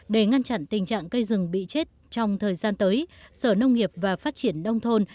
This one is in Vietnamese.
để ngăn chặn tình trạng cây rừng bị chết trong thời gian tới sở nông nghiệp và phát triển đông thôn